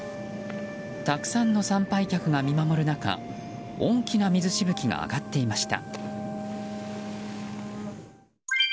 たくさんの参拝客が見守る中大きな水しぶきが上がっていました。